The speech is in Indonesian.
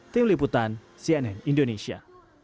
tim liputan cnn indonesia